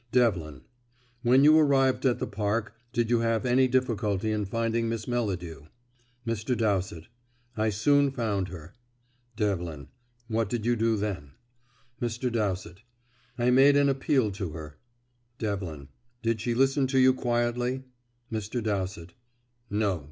Devlin: "When you arrived at the Park did you have any difficulty in finding Miss Melladew?" Mr. Dowsett: "I soon found her." Devlin: "What did you do then?" Mr. Dowsett: "I made an appeal to her." Devlin: "Did she listen to you quietly?" Mr. Dowsett: "No.